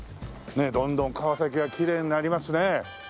ねえどんどん川崎がきれいになりますね。